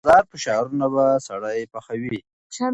د بازار فشارونه به سړی پخوي.